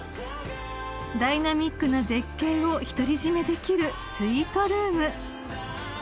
［ダイナミックな絶景を独り占めできるスイートルーム］